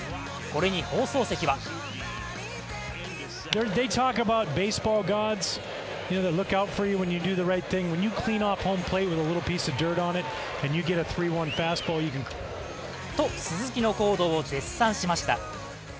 これに放送席はと、鈴木の行動を絶賛しました。